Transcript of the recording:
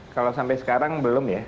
kalau sampai sekarang belum ya